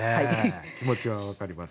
気持ちは分かります。